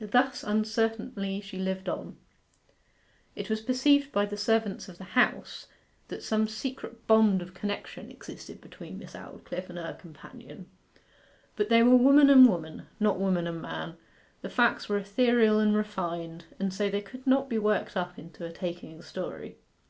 Thus uncertainly she lived on. It was perceived by the servants of the House that some secret bond of connection existed between Miss Aldclyffe and her companion. But they were woman and woman, not woman and man, the facts were ethereal and refined, and so they could not be worked up into a taking story.